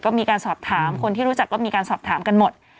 ก็มีการสอบถามคนที่รู้จักก็มีการสอบถามกันหมด